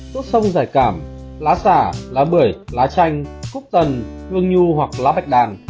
tốt sông giải cảm lá xả lá bưởi lá chanh cúc tần hương nhu hoặc lá bạch đàn